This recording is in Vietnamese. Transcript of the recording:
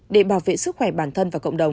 để bảo vệ sức khỏe bản thân và cộng đồng